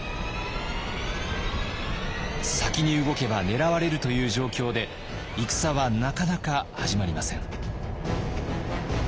先に動けば狙われるという状況で戦はなかなか始まりません。